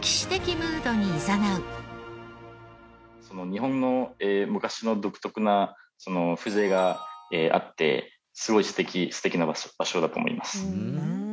日本の昔の独特な風情があってすごい素敵な場所だと思います。